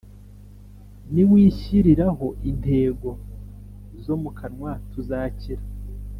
Niwishyiriraho intego zo mukanwa tuzakira